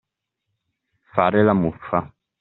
Fare la muffa.